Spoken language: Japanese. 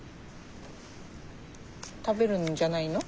食べるんじゃないの？